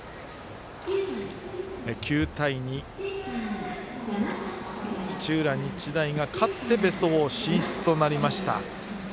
９対２、土浦日大が勝ってベスト４進出となりました。